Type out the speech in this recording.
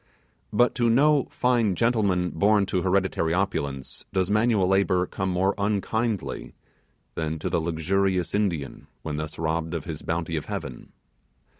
But to no fine gentleman born to hereditary opulence, does this manual labour come more unkindly than to the luxurious Indian when thus robbed of the bounty of heaven.